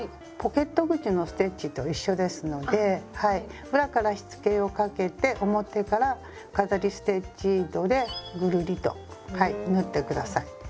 ポケット口のステッチと一緒ですので裏からしつけをかけて表から飾りステッチ糸でぐるりと縫ってください。